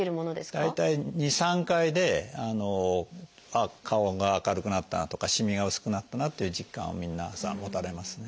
大体２３回であの顔が明るくなったなとかしみが薄くなったなっていう実感は皆さん持たれますね。